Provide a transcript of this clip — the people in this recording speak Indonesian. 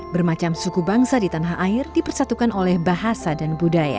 bermacam suku bangsa di tanah air dipersatukan oleh bahasa dan budaya